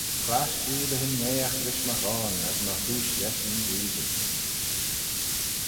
Clasht-jee dy imneagh rish my ghoan as my chooish lesh nyn gleayshyn.